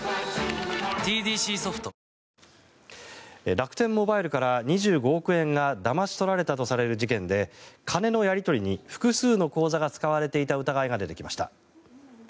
楽天モバイルから２５億円がだまし取られたとされる事件で金のやり取りに複数の口座が使われていた疑いが出てきました。